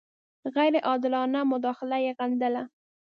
غیر عادلانه مداخله یې غندله.